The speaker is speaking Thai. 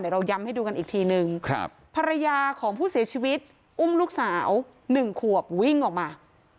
เดี๋ยวยำให้ดูกันอีกทีหนึ่งครับภรรยาของผู้เสียชีวิตอุ้มลูกสาวหนึ่งขวบวิ่งออกมา